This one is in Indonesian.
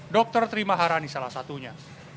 dokter terima harani salah satunya